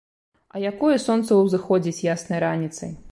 А якое сонца ўзыходзіць яснай раніцай!